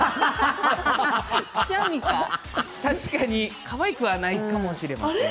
確かに、かわいくはないかもしれません。